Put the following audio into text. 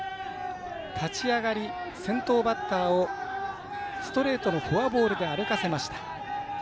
立ち上がり、先頭バッターをストレートのフォアボールで歩かせました。